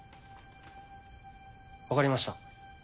分かりました。